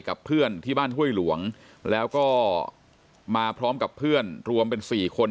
กับเพื่อนที่บ้านห้วยหลวงแล้วก็มาพร้อมกับเพื่อนรวมเป็น๔คน